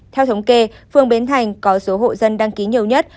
theo thống kê phường bến thành có số hộ dân đăng ký nhiều nhất